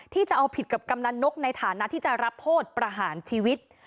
ที่จะเอาผิดกับกำนันนกในฐานะที่จะรับโทษประหารชีวิต